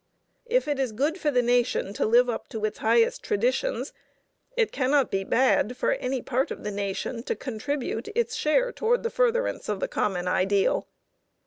If it is good for the nation to live up to its highest traditions, it cannot be bad for any part of the nation to contribute its share toward the furtherance of the common ideal.